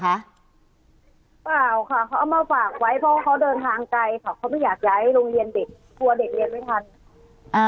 เปล่าค่ะเขาเอามาฝากไว้เพราะเขาเดินทางไกลค่ะเขาไม่อยากย้ายโรงเรียนเด็กกลัวเด็กเรียนไม่ทันอ่า